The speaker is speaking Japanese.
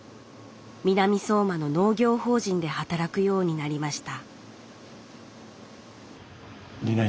南相馬の農業法人で働くようになりました